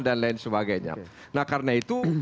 lain sebagainya nah karena itu